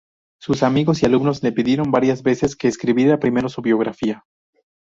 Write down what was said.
Sus amigos y alumnos le pidieron varias veces que escribiera primero su biografía.